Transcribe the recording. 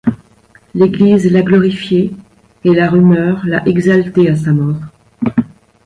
L'Église l'a glorifié et la rumeur l'a exalté à sa mort.